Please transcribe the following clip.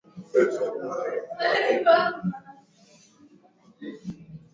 biashara masokoni Pamoja na kwamba Waganda walikichukulia